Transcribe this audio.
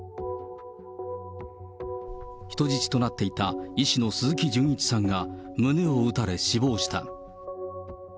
人質となっていた医師の鈴木純一さんが胸を撃たれ死亡した。